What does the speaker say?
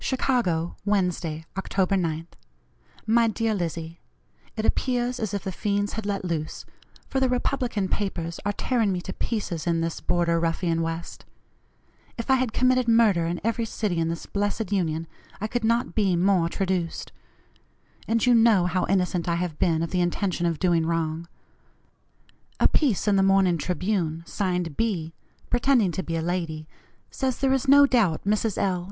"CHICAGO, Wednesday, October 9th. "MY DEAR LIZZIE: It appears as if the fiends had let loose, for the Republican papers are tearing me to pieces in this border ruffian West. If I had committed murder in every city in this blessed Union, I could not be more traduced. And you know how innocent I have been of the intention of doing wrong. A piece in the morning Tribune, signed 'B,' pretending to be a lady, says there is no doubt Mrs. L.